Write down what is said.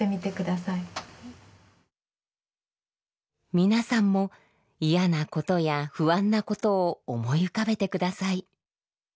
皆さんも嫌なことや不安なことを思い浮かべて下さい。